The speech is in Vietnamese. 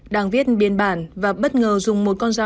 đang viết biên bản và bất ngờ dùng một con dao